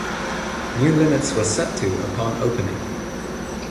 New speed limits were set to upon opening.